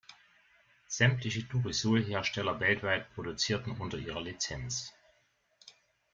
Sämtliche Durisol-Hersteller weltweit produzierten unter ihrer Lizenz.